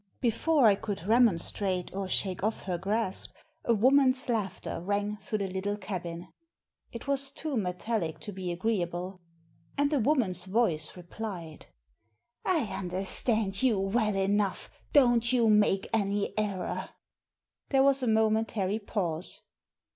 Before I could re monstrate or shake off her grasp a woman's laughter rang through the little cabin. It was too metallic to be agreeable. And a woman's voice replied — "I understand you well enough, don't you make any error !" There was a momentary pause.